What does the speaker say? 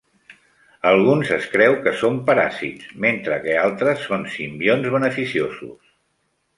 Alguns es creu que són paràsits, mentre que altres són simbionts beneficiosos.